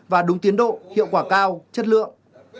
và đúng tiến độ hiệu quả cao chất lượng